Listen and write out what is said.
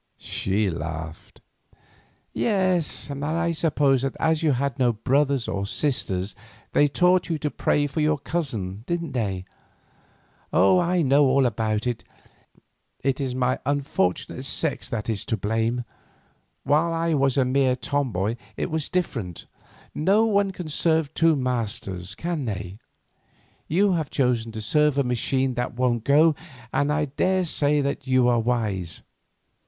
She laughed. "Yes, and I suppose that as you had no brothers or sisters they taught you to pray for your cousin, didn't they? Oh, I know all about it. It is my unfortunate sex that is to blame; while I was a mere tom boy it was different. No one can serve two masters, can they? You have chosen to serve a machine that won't go, and I daresay that you are wise.